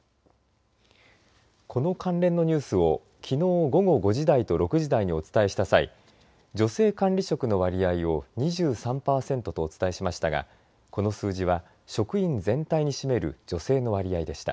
この関連のニュースをきのう午後５時台と６時台にお伝えした際女性管理職の割合を２３パーセントとお伝えしましたがこの数字は職員全体に占める女性の割合でした。